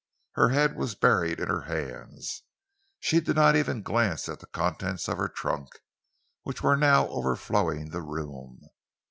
Her head was buried in her hands. She did not even glance at the contents of her trunk, which were now overflowing the room.